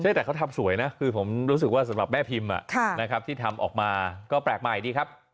ใช่แต่เขาทำสวยนะคือผมรู้สึกว่าสำหรับแม่พิมพ์นะครับที่ทำออกมาก็แปลกใหม่ดีครับ